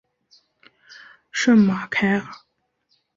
圣马凯尔。